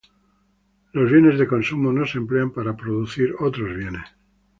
Los bienes de consumo no se emplean para producir otros bienes.